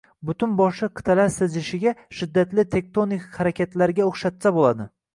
butunboshli qit’alar siljishiga – shiddatli tektonik harakatlarga o‘xshatsa bo‘ladi.